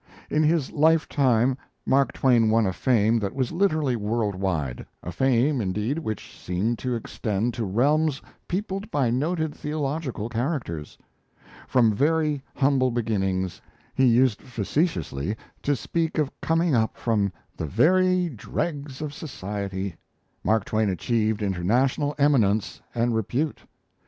In his lifetime Mark Twain won a fame that was literally world wide a fame, indeed, which seemed to extend to realms peopled by noted theological characters. From very humble beginnings he used facetiously to speak of coming up from the "very dregs of society"! Mark Twain achieved international eminence and repute.